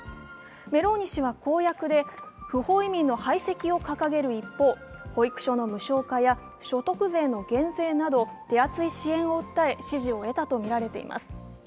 メローニ氏は公約で、不法移民の排斥を掲げる一方、保育所の無償化や所得税の減税など手厚い支援を訴え、支持を得たとみられています。